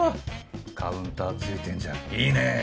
カウンター付いてんじゃんいいね。